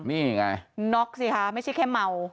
นี่ไงน็อกสิคะไม่ใช่แค่เมา